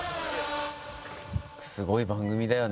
すごい番組だよな。